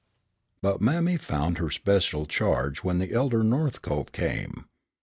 But mammy found her special charge when the elder Northcope came.